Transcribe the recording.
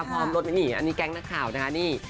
พร้อมรถไม่หนีอันนี้แก๊งนักข่าวนะคะนี่